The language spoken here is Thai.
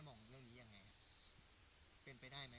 เป็นไปได้ไหม